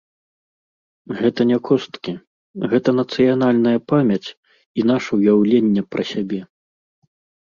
Гэта не косткі, гэта нацыянальная памяць і наша ўяўленне пра сябе.